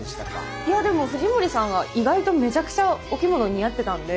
いやでも藤森さんが意外とめちゃくちゃお着物似合ってたんで。